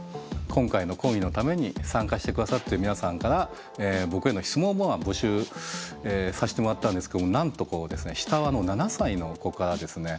今回の講義のために参加して下さってる皆さんから僕への質問を募集させてもらったんですけどなんと下は７歳の子からですね